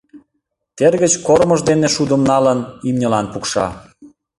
Тер гыч кормыж дене шудым налын, имньылан пукша.